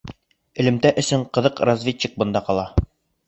Элемтә өсөн ҡырҡ разведчик бында ҡала.